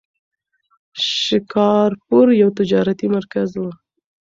شکارپور یو تجارتي مرکز و.